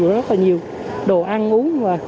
rất là nhiều đồ ăn uống